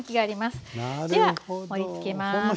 では盛りつけます。